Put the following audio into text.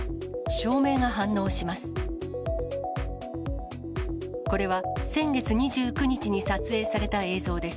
照明が反応します。